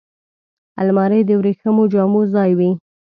الماري د وریښمو جامو ځای وي